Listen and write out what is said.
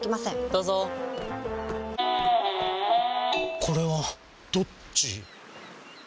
どうぞこれはどっち？